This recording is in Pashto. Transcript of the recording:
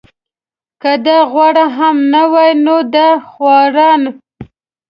که دا غوړ هم نه وای نو دا خواران.